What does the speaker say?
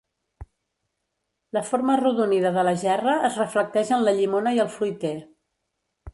La forma arrodonida de la gerra es reflecteix en la llimona i el fruiter.